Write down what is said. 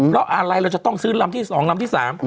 แล้วอะไรเราจะต้องซื้อลำที่สองลำที่สาม